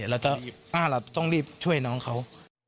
เราต้องรีบช่วยน้องเขา